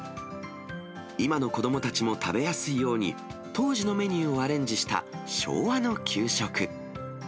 今の子どもたちも食べやすいように、当時のメニューをアレンジした昭和の給食。